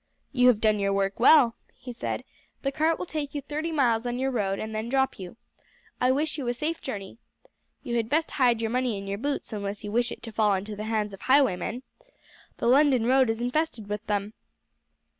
"You have done your work well," he said; "the cart will take you thirty miles on your road, and then drop you. I wish you a safe journey. You had best hide your money in your boots, unless you wish it to fall into the hands of highwaymen. The London road is infested with them."